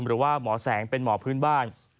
หรือว่าหมอแสงเป็นหมอพื้นบ้าน